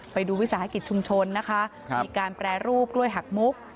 วิสาหกิจชุมชนนะคะมีการแปรรูปกล้วยหักมุก